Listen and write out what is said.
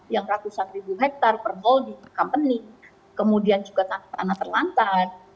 yang ratusan ribu hektar per gol di perusahaan kemudian juga tanah terlantar